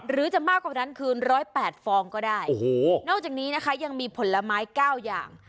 หรือจะมากกว่านั้นคือ๑๐๘ฟองก็ได้โอ้โหนอกจากนี้นะคะยังมีผลไม้๙อย่าง